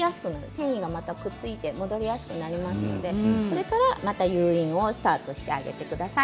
繊維がまたくっついて戻りやすくなりますのでそれからまた誘引をスタートしてあげてください。